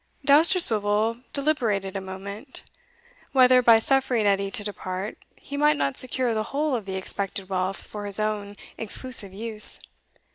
Dousterswivel deliberated a moment, whether, by suffering Edie to depart, he might not secure the whole of the expected wealth for his own exclusive use.